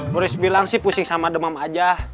boleh dibilang sih pusing sama demam aja